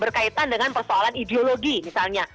berkaitan dengan persoalan ideologi misalnya